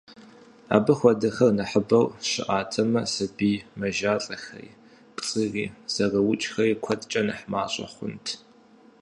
Абы хуэдэхэр нэхъыбэу щыӏатэмэ, сабий мэжалӏэхэри, пцӏыри, зэрыукӏхэри куэдкӏэ нэхъ мащӏэ хъунт.